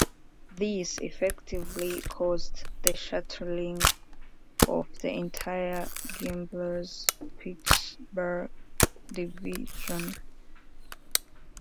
This effectively caused the shuttering of the entire Gimbels Pittsburgh division.